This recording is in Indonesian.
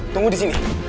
tunggu di sini